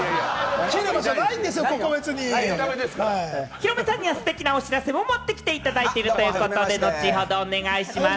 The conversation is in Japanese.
ヒロミさんにはステキなお知らせを持ってきてくれたということで、後ほどお願いします。